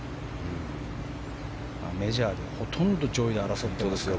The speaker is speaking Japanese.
メジャーでほとんど上位で争ってますから。